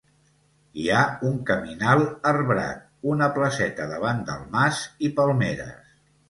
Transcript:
Hi ha un caminal arbrat, una placeta davant del mas i palmeres.